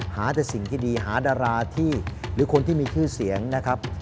หาแต่สิ่งที่ดีหาดาราที่หรือคนที่มีชื่อเสียงนะครับ